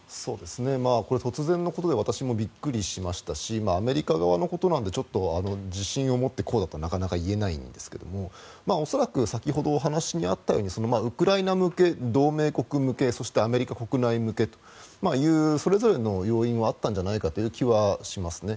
これ、突然のことで私もびっくりしましたしアメリカ側のことなのでちょっと自信を持ってこうだとはなかなか言えないんですが恐らく先ほどお話にあったようにウクライナ向け、同盟国向けそしてアメリカ国内向けというそれぞれの要因はあったんじゃないかという気はします。